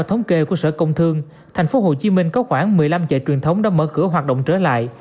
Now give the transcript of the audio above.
hồ chí minh có khoảng một mươi năm chợ truyền thống đã mở cửa hoạt động trở lại